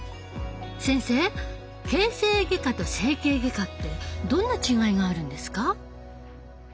先生形成外科と整形外科ってどんな違いがあるんですか？